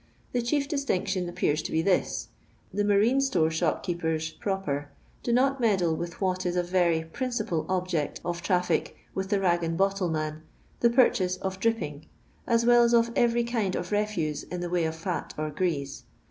The chief distiuftisn appears to be this : the marine^tore ahopkeepsn (proper) do not meddle with what ia a very prift* cipal object of traffic with the rag and bottls oibb, the purchase of dripping, as well as of every kind of refuse in the way of fot or grease.